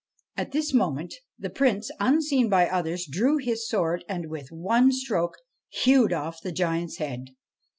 At this moment the Prince, unseen by the others, drew his sword, and, with one stroke, hewed off the giant's head.